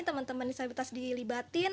teman teman disabilitas dilibatin